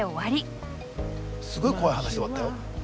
すごい怖い話で終わったよ。